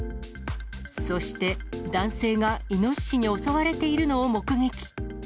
そして、男性がイノシシに襲われているのを目撃。